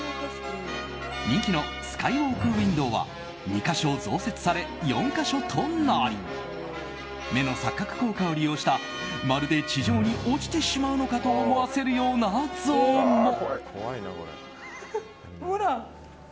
人気のスカイウォークウィンドウは２か所増設され４か所となり目の錯覚効果を利用したまるで地上に落ちてしまうのかと思わせるようなゾーンも。